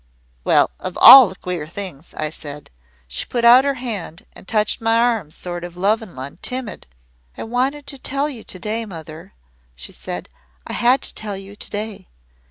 "'Well, of all the queer things,' I said. She put out her hand and touched my arm sort of lovin' an' timid. "'I wanted to tell you to day, mother,' she said. 'I had to tell you to day.